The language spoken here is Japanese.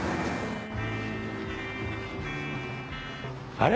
あれ？